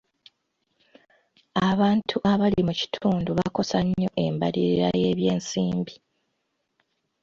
Abantu abali mu kitundu bakosa nnyo embalirira y'ebyensimbi.